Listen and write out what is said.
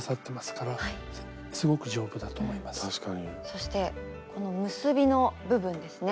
そしてこの結びの部分ですね。